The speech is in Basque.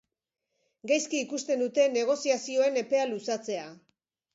Gaizki ikusten dute negoziazioen epea luzatzea.